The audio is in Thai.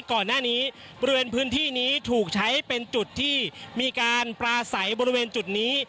ก่อนหน้านี้บริเวณพื้นที่นี้ถูกใช้เป็นจุดที่มีการปลาใสบริเวณจุดนี้